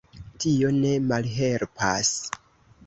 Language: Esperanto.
Tio ne malhelpas.